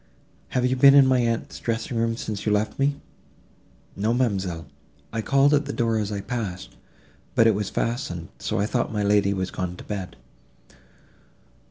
"Have you been in my aunt's dressing room, since you left me?" "No, ma'amselle, I called at the door as I passed, but it was fastened; so I thought my lady was gone to bed."